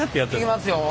いきますよ。